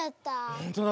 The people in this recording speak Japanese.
ほんとだ。